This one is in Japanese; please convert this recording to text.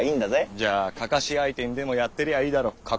じゃあカカシ相手にでもやってりゃあいいだろ。